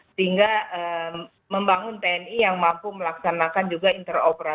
sehingga membangun tni yang mampu melaksanakan juga interoperasi